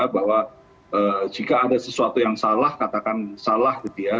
bahwa jika ada sesuatu yang salah katakan salah gitu ya